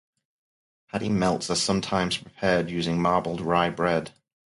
Patty melts are sometimes prepared using marbled rye bread.